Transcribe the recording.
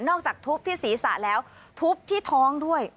จากทุบที่ศีรษะแล้วทุบที่ท้องด้วย